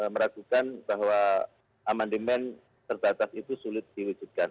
meragukan bahwa amandemen terbatas itu sulit diwujudkan